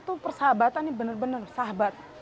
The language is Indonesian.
totem berurang berat